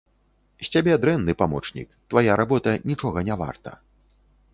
З цябе дрэнны памочнік, твая работа нічога не варта.